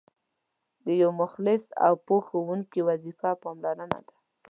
د یو مخلص او پوه ښوونکي وظیفه پاملرنه ده.